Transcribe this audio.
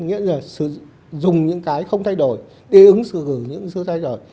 nghĩa là dùng những cái không thay đổi để ứng xử những sự thay đổi